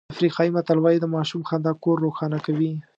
افریقایي متل وایي د ماشوم خندا کور روښانه کوي.